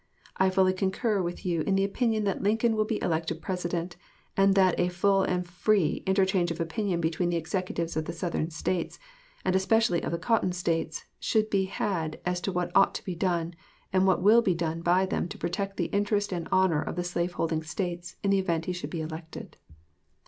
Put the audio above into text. I fully concur with you in the opinion that Lincoln will be elected President, and that a full and free interchange of opinion between the Executives of the Southern States, and especially of the Cotton States, should be had as to what ought to be done and what will be done by them to protect the interest and honor of the slave holding States in the event he should be elected.